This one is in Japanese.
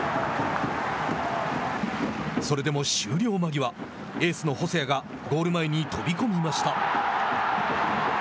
それでも終了間際エースの細谷がゴール前に飛び込みました。